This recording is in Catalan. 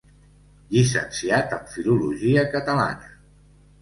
Llicenciat en filologia catalana.